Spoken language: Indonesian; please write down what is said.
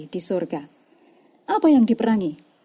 di surga apa yang diperangi